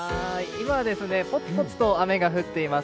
今、ぽつぽつと雨が降っています。